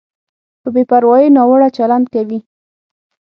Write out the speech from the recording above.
په بې پروایۍ ناوړه چلند کوي.